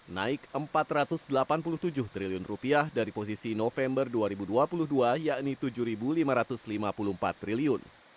sudah tembus rp delapan empat puluh satu triliun naik rp empat ratus delapan puluh tujuh triliun dari posisi november dua ribu dua puluh dua yakni rp tujuh lima ratus lima puluh empat triliun